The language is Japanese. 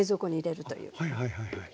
はいはいはいはい。